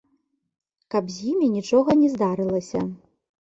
Каб з імі нічога не здарылася.